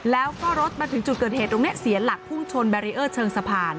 แล้วก็รถมาถึงจุดเกิดเหตุตรงนี้เสียหลักพุ่งชนแบรีเออร์เชิงสะพาน